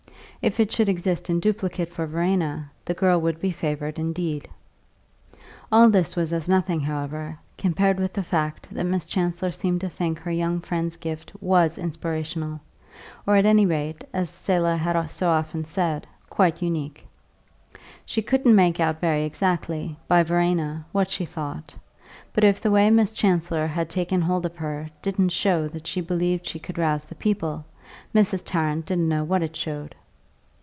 If it should exist in duplicate for Verena, the girl would be favoured indeed. All this was as nothing, however, compared with the fact that Miss Chancellor seemed to think her young friend's gift was inspirational, or at any rate, as Selah had so often said, quite unique. She couldn't make out very exactly, by Verena, what she thought; but if the way Miss Chancellor had taken hold of her didn't show that she believed she could rouse the people, Mrs. Tarrant didn't know what it showed.